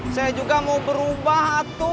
saya juga mau berubah